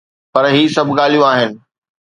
پر هي سڀ ڳالهيون آهن.